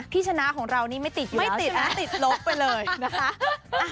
ที่ชนะของเรานี่ไม่ติดอยู่แล้วใช่ไหมนะฮะไม่ติดนะติดโลกไปเลยนะคะ